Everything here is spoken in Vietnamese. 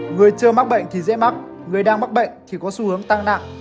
người chưa mắc bệnh thì dễ mắc người đang mắc bệnh thì có xu hướng tăng nặng